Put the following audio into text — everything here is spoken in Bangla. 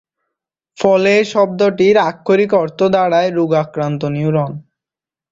ফলে শব্দটির আক্ষরিক অর্থ দাঁড়ায়: রোগাক্রান্ত নিউরন।